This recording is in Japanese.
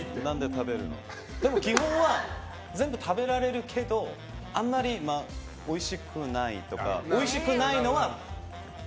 でも基本は全部食べられるけどあんまりおいしくないとか。